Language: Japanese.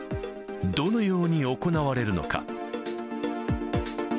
どのように行われるのか。